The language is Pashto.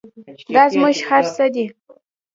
دا زموږ هر څه دی